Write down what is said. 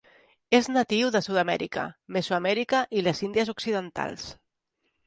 Es natiu de Sud-Amèrica, Mesoamèrica i les Indies Occidentals.